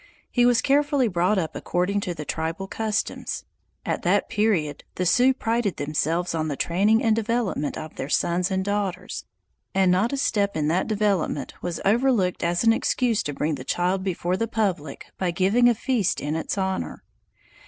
He was carefully brought up according to the tribal customs. At that period the Sioux prided themselves on the training and development of their sons and daughters, and not a step in that development was overlooked as an excuse to bring the child before the public by giving a feast in its honor.